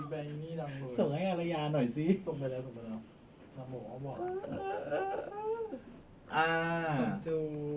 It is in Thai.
ส่งไปแล้วส่งไปแล้ว